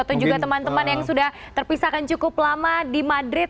atau juga teman teman yang sudah terpisahkan cukup lama di madrid